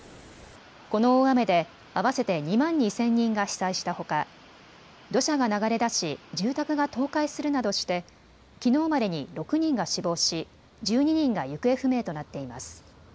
この大雨で合わせて２万２０００人が被災したほか土砂が流れ出し住宅が倒壊するなどしてきのうまでに６人が死亡し１２人が行方不明となっています。